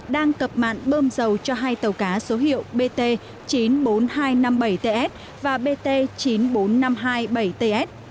đang cập mạng bơm dầu cho hai tàu cá số hiệu bt chín mươi bốn nghìn hai trăm năm mươi bảy ts và bt chín mươi bốn nghìn năm trăm hai mươi bảy ts